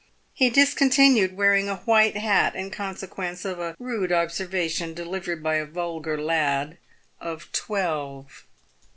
He discontinued wearing a white hat in consequence of a rude observation delivered by a vulgar lad of twelve.